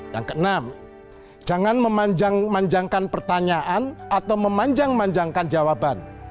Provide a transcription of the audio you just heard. yang keenam jangan memanjangkan pertanyaan atau memanjang manjangkan jawaban